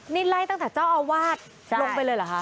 นี่ไล่ตั้งแต่เจ้าอาวาสลงไปเลยเหรอคะ